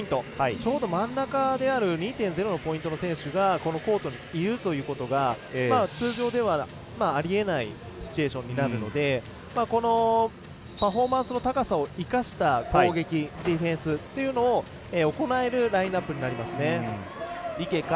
ちょうど真ん中である２．０の選手がこのコートにいるということが通常ではありえないシチュエーションになるのでパフォーマンスの高さを生かした攻撃、ディフェンスというのを行えるラインアップになりますね。